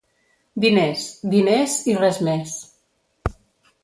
Diners, diners, i res més.